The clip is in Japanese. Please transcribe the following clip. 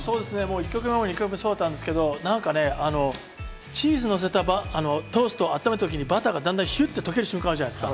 １曲目も２曲目もそうなんですけど、チーズをのせたトーストをあっためた時に、バターがヒュッと溶ける感じがあるじゃないですか。